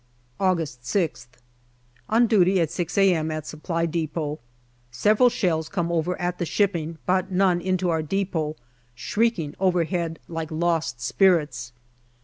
August Gih. On duty at 6 a.m. at Supply depot. Several shells come over at the shipping, but none into our depot, shrieking overhead like lost spirits.